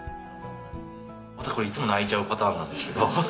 またこれいつも泣いちゃうパターンなんですけど。